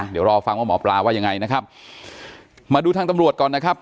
เดี๋ยวรอฟังว่าหมอปลาว่ายังไงนะครับมาดูทางตำรวจก่อนนะครับ